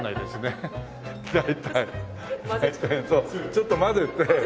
ちょっと混ぜて。